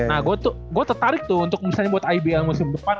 nah gue tertarik tuh untuk misalnya buat ibl musim depan